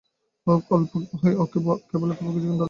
ওকে কেবল অল্পক্ষণ ধরে চেনো।